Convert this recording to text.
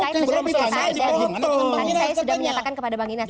tadi saya sudah menyatakan kepada bang inas